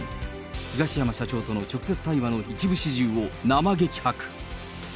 東山社長との直接対話の一部始終を生激白。